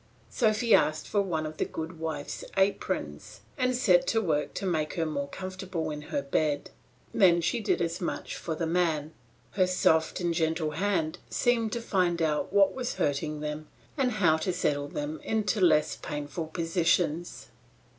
Sophy asked for one of the good wife's aprons and set to work to make her more comfortable in her bed; then she did as much for the man; her soft and gentle hand seemed to find out what was hurting them and how to settle them into less painful positions.